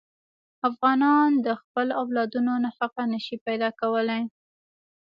افغانان د خپلو اولادونو نفقه نه شي پیدا کولی.